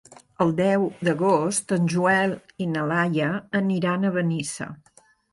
El deu d'agost en Joel i na Laia aniran a Benissa.